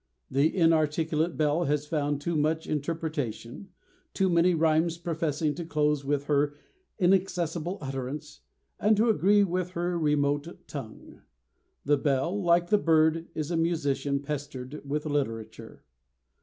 The inarticulate bell has found too much interpretation, too many rhymes professing to close with her inaccessible utterance, and to agree with her remote tongue. The bell, like the bird, is a musician pestered with literature.